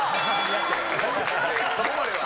そこまでは。